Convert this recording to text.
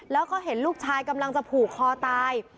แล้วก็เห็นลูกชายกำลังจะผูกคอตาย